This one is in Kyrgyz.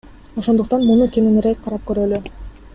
Ошондуктан муну кененирээк карап көрөлү.